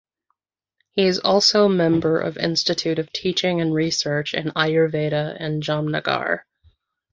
He is also member of Institute of Teaching and Research in Ayurveda in Jamnagar.